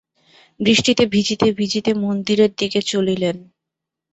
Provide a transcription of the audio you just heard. বৃষ্টিতে ভিজিতে ভিজিতে মন্দিরের দিকে চলিলেন।